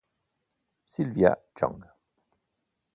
Sylvia Chang